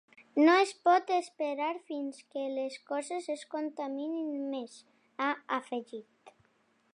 No es pot esperar fins que les coses es contaminin més, ha afegit.